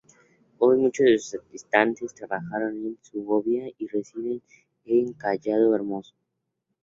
Hoy, muchos de sus habitantes trabajan en Segovia y residen en Collado Hermoso.